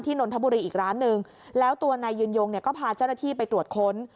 นนทบุรีอีกร้านหนึ่งแล้วตัวนายยืนยงเนี่ยก็พาเจ้าหน้าที่ไปตรวจค้น